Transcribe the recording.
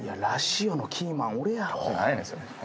何やねんそれ。